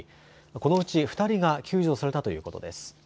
このうち２人が救助されたということです。